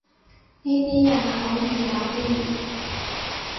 呢啲人好易搞掂